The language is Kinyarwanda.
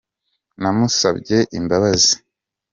namusabye imbabazi.